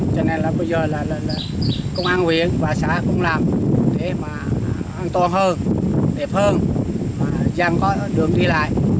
cho nên bây giờ là công an huyện và xã cũng làm để mà an toàn hơn đẹp hơn và dàng có đường đi lại